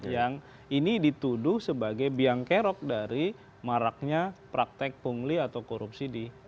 yang ini dituduh sebagai biangkerok dari maraknya praktek pungli atau korupsi di lembaga negara